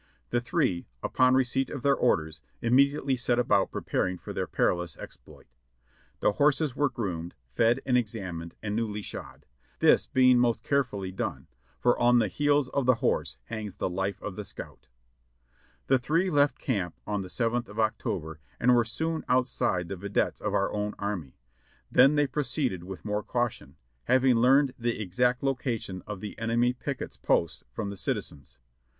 The three, upon receipt of their orders, immediately set about pre paring for their perilous exploit. Their horses were groomed, fed and examined and newly shod — this being most carefully done, for on the heels of the horse hano; s the life of the scout. HOW CAPTAIN JOHN N. MEIGS WAS KILLED 6/1 The tliree left camp on the seventh of October, and were soon outside the videttes of our own army ; then they proceeded with more caution, having learned the exact location of the enemy's picket posts from the citizens.